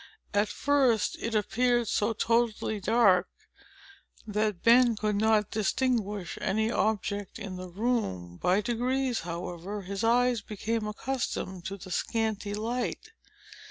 At first, it appeared so totally dark, that Ben could not distinguish any object in the room. By degrees, however, his eyes became accustomed to the scanty light.